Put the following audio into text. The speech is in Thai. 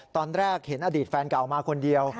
ตอนแรกเห็นอดีตแฟนเก่ามาคนเดียว